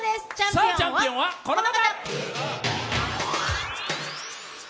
チャンピオンはこの方！